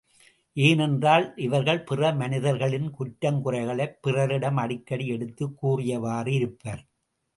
ஏனென்றால், இவர்கள் பிற மனிதர்களின் குற்றங்குறைகளைப் பிறரிடம் அடிக்கடி எடுத்துச் கூறியவாறு இருப்பர்.